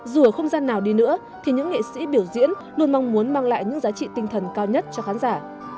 dù ở không gian nào đi nữa thì những nghệ sĩ biểu diễn luôn mong muốn mang lại những giá trị tinh thần cao nhất cho khán giả